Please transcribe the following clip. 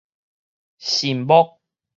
神木